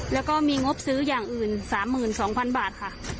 แล้วก็มีงบซื้ออย่างอื่น๓๒๐๐๐บาทค่ะ